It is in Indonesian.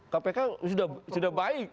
kpk sudah baik